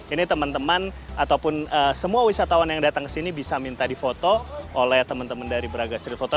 ini teman teman ataupun semua wisatawan yang datang ke sini bisa minta difoto oleh teman teman dari braga street photo